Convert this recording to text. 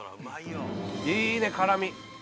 いいね、辛み。